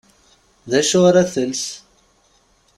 D acu ara tles?